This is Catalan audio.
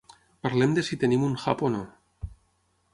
Parlem de si tenim un hub o no.